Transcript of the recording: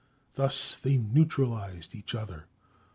Thus they neutralized each other.